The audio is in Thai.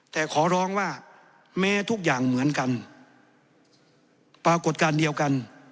แต่ขอร้องว่าแม้ทุกอย่างเหมือนกันปรากฏการณ์เดียวกัน